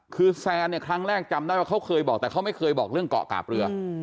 คือแซนเนี่ยครั้งแรกจำได้ว่าเขาเคยบอกแต่เขาไม่เคยบอกเรื่องเกาะกาบเรือ